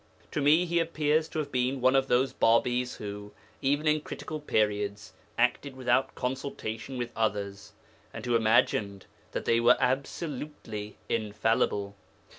To me he appears to have been one of those Bābīs who, even in critical periods, acted without consultation with others, and who imagined that they were absolutely infallible.